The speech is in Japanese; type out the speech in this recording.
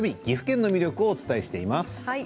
岐阜県の魅力をお伝えしています。